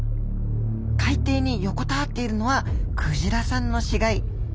海底に横たわっているのはクジラさんの死骸。